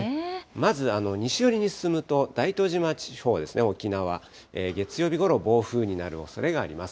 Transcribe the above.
まず、西寄りに進むと、大東島地方ですね、沖縄、月曜日ごろ、暴風になるおそれがあります。